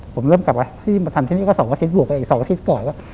ผมเริ่มกลับมาที่มาทำที่นี่ก็๒อาทิตยบวกกับอีก๒อาทิตย์ก่อนก็